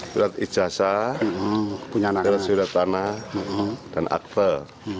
sudat ijasa sudat tanah dan akvel